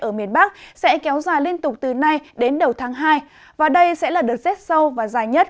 ở miền bắc sẽ kéo dài liên tục từ nay đến đầu tháng hai và đây sẽ là đợt rét sâu và dài nhất